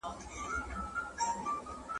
د اولیاوو او شیخانو پیر وو `